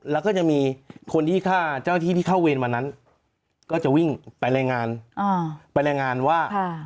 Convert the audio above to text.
แล้วก็จะมีคนที่ฆ่าเจ้าที่ที่เข้าเวรวันนั้นก็จะวิ่งไปรายงานไปรายงานว่า